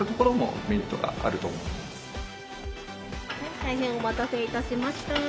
大変お待たせいたしました。